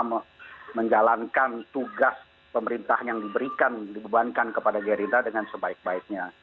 untuk bersama sama menjalankan tugas pemerintah yang diberikan dibebankan kepada gerindra dengan sebaik baiknya